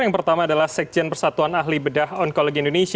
yang pertama adalah sekjen persatuan ahli bedah onkologi indonesia